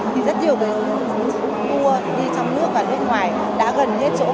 thì rất nhiều cái tour đi trong nước và nước ngoài đã gần hết chỗ